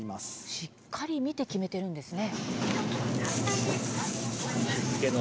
しっかり見て決めているんですね。